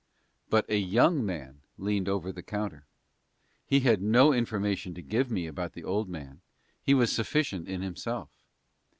But a young man leaned over the counter. He had no information to give me about the old man he was sufficient in himself.